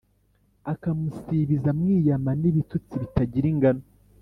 a kamusibiza a mwiyama n'ibitutsi bitagira ingano